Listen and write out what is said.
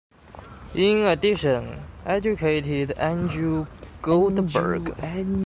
In addition, educated Andrew Goldberg.